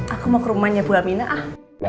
aku mau ke rumahnya bu amina ah